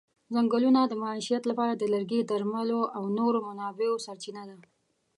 ځنګلونه د معیشت لپاره د لرګي، درملو او نورو منابعو سرچینه ده.